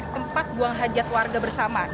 tempat buang hajat warga bersama